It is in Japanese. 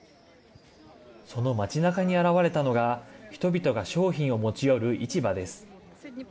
その街なかに現れたのが人々が商品を持ち寄る市場です。